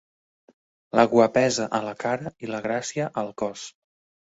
La guapesa a la cara i la gràcia al cos.